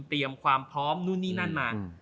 เตรียมความพร้อมนู่นนี่นั่นมา